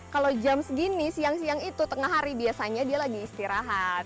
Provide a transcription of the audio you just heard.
kalau jam segini siang siang itu tengah hari biasanya dia lagi istirahat